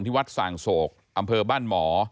วัดส่างโศกอำเภอบ้านหมอ